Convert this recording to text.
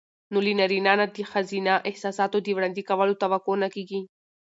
نو له نارينه نه د ښځينه احساساتو د وړاندې کولو توقع نه کېږي.